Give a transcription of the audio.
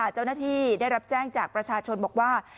เจ้าหน้าที่ได้รับแจ้งจากประชาชนบอกว่า